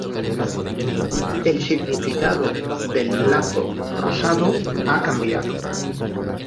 El significado del Lazo Rosado ha cambiado.